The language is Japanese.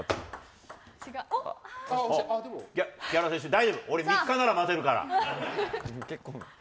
大丈夫、俺、３日なら待てるから。